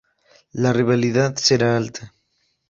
La rivalidad será alta.